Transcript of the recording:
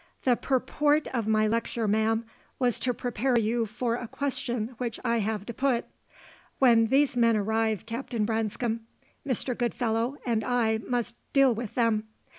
"The purport of my lecture, ma'am, was to prepare you for a question which I have to put. When these men arrive, Captain Branscome, Mr. Goodfellow, and I must deal with them.